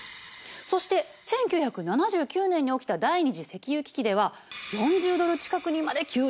そして１９７９年に起きた第２次石油危機では４０ドル近くにまで急上昇してる。